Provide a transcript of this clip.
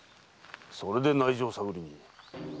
それで内情を探りに？